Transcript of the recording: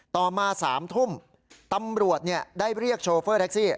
ต่อมา๓ทุ่มตำรวจได้เรียกโชเฟอร์แท็กซี่